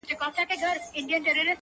• او چوپتيا خپره ده هر ځای,